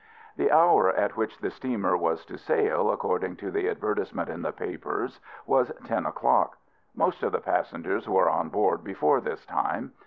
The hour at which the steamer was to sail, according to the advertisement in the papers, was ten o'clock. Most of the passengers were on board before this time.